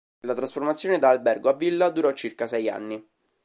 La trasformazione da albergo a villa durò circa sei anni.